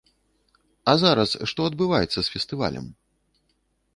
А зараз што адбываецца з фестывалем?